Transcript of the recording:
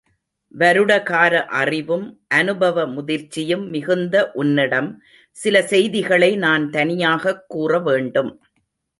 வருடகார அறிவும் அநுபவ முதிர்ச்சியும் மிகுந்த உன்னிடம் சில செய்திகளை நான் தனியாகக் கூறவேண்டும்.